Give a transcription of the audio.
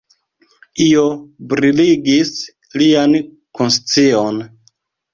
Io briligis lian konscion.